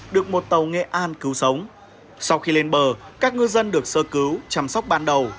được một tàu nghệ an cứu sống sau khi lên bờ các ngư dân được sơ cứu chăm sóc ban đầu